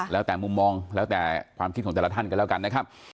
แล้วแต่มุมมองแล้วแต่ความคิดของแต่ละท่านกันแล้วกันนะครับ